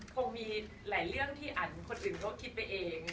คงมีหลายเรื่องที่อันคนอื่นเขาคิดไปเอง